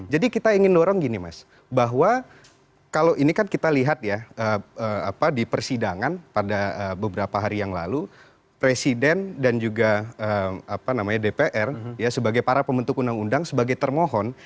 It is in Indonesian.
jadi kita ingin dorong gini mas bahwa kalau ini kan kita lihat ya apa di persidangan pada beberapa hari yang lalu presiden dan juga apa namanya dpr ya sebagai para pembentuk undang undang sebagai termohon